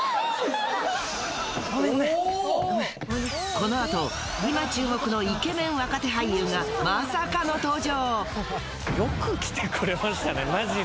このあと今注目のイケメン若手俳優がまさかの登場！